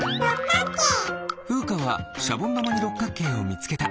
ふうかはシャボンだまにろっかくけいをみつけた！